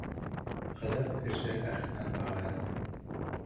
Ҡыҙыҡ кеше Әхтәм а га й.